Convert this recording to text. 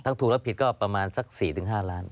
ถ้าถูกแล้วผิดก็ประมาณสัก๔๕ล้าน